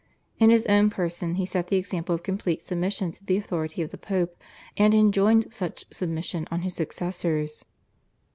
In his own person he set the example of complete submission to the authority of the Pope, and enjoined such submission on his successors.